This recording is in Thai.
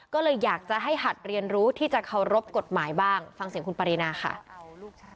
ก็เลยอยากจะให้หัดเรียนรู้ที่จะเคารพกฎหมายบ้างฟังเสียงคุณปรินาค่ะ